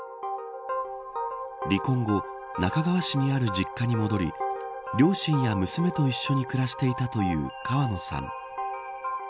離婚後那珂川市にある実家に戻り両親や娘と一緒に暮らしていたという川野さん。